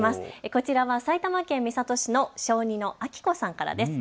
こちらは埼玉県三郷市の小２のあきこさんからです。